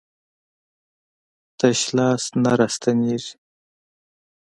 تش لاس نه راستنېږي.